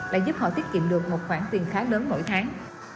đã giúp họ tiết kiệm được một khoản tiền khá lớn mỗi tháng